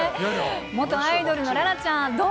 元アイドルの楽々ちゃん、どう？